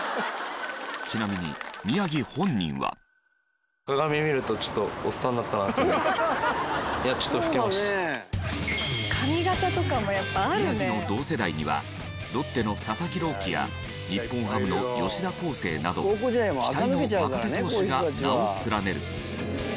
ちなみに宮城の同世代にはロッテの佐々木朗希や日本ハムの吉田輝星など期待の若手投手が名を連ねる。